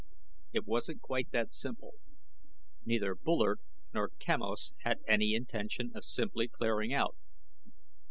It wasn't quite that simple. Neither Bullard nor Quemos had any intention of simply clearing out.